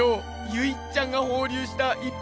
ゆいっちゃんがほうりゅうしたいっ